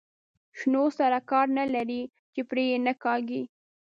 شنو سره کار نه لري چې پرې یې نه کاږي.